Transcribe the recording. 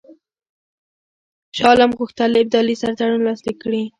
شاه عالم غوښتل له ابدالي سره تړون لاسلیک کړي.